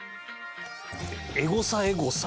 エゴサエゴサ。